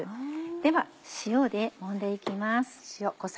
では塩でもんで行きます。